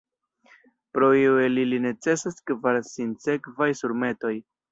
Pro iuj el ili necesas kvar sinsekvaj surmetoj.